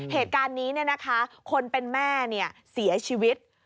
เหตุการณ์นี้คนเป็นแม่เสียชีวิต